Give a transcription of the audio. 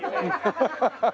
ハハハハ！